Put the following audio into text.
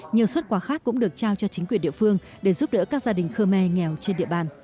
nhiều xuất quà khác cũng được trao cho chính quyền địa phương để giúp đỡ các gia đình khơ me nghèo trên địa bàn